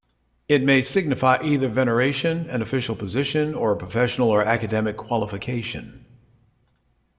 It may signify either veneration, an official position or a professional or academic qualification.